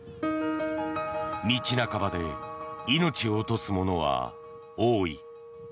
道半ばで命を落とす者は多い。